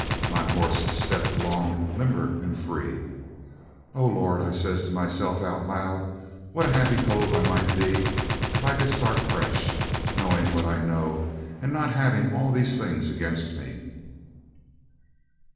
My horse stepped along limber and free. 'O Lord,' I says to myself out aloud, 'what a happy cove I might be if I could start fresh knowing what I know and not having all these things against me!'